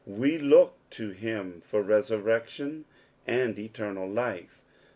We look to him for resurrection and eternal life.